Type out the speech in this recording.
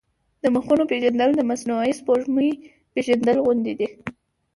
د مخونو پېژندل د مصنوعي سپوږمۍ پېژندل غوندې دي.